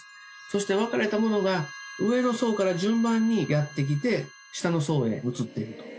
そして分かれたものが上の層から順番にやって来て下の層へうつっていくと。